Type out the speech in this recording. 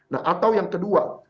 nah atau yang kedua